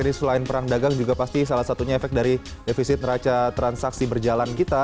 jadi selain perang dagang juga pasti salah satunya efek dari defisit raca transaksi berjalan kita